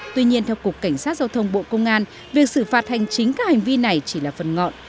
tuy nhiên theo cục cảnh sát giao thông bộ công an việc xử phạt hành chính các hành vi này chỉ là phần ngọn